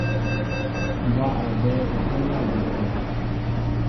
Mbwá a ɓɛέ eɓólá njikin.